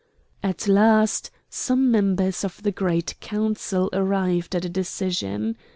At last some members of the Great Council arrived at a decision.